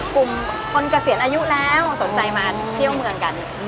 กลุ่มคนเกษียณอายุแล้วสนใจมาเที่ยวเมืองกัน